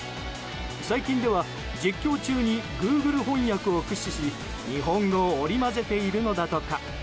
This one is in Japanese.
最近では実況中にグーグル翻訳を駆使し日本語を織り交ぜているのだとか。